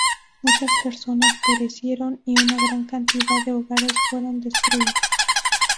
Muchas personas perecieron y una gran cantidad de hogares fueron destruidos.